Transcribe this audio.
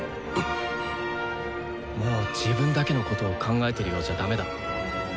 もう自分だけのことを考えてるようじゃダメだ。